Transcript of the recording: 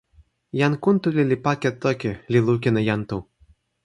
jan Kuntuli li pake toki, li lukin e jan Tu.